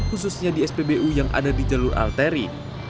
khususnya di spbu yang ada di jalur alteri